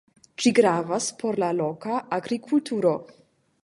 Ĝi gravas por la loka agrikulturo.